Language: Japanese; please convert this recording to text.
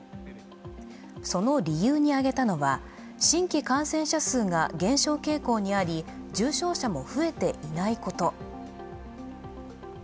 その理由に挙げたのは、新規感染者数が減少傾向にあり、重症者も増えていないこと。